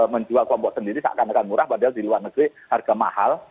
menjual kompok sendiri seakan akan murah padahal di luar negeri harga mahal